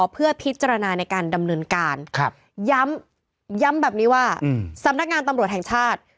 เพื่อพิจารณาในการดำเนินการย้ำแบบนี้ว่าสำนักงานตำรวจแห่งชาติ